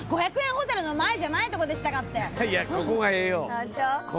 ホテルの前じゃないとこでしたかったよ！